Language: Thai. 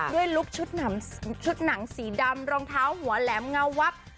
ลุคชุดหนังสีดำรองเท้าหัวแหลมเงาวับ